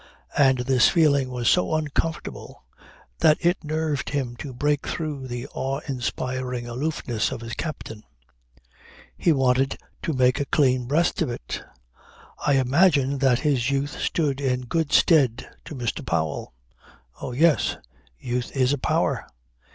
And this feeling was so uncomfortable that it nerved him to break through the awe inspiring aloofness of his captain. He wanted to make a clean breast of it. I imagine that his youth stood in good stead to Mr. Powell. Oh, yes. Youth is a power.